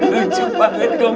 lucu banget dong